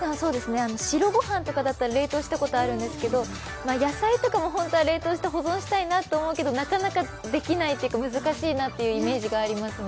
白ごはんだったりだと冷凍したことあるんですけれども、野菜とかも本当は冷凍して保存したいなと思うけど、なかなかできないというか難しいというイメージがありますね。